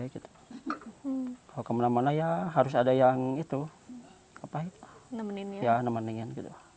kalau kemana mana ya harus ada yang nemenin